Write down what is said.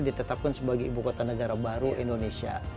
ditetapkan sebagai ibu kota negara baru indonesia